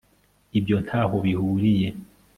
ibyo ntaho bihuriye